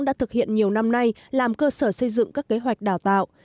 đã thực hiện nhiều năm nay làm cơ sở xây dựng các kế hoạch đào tạo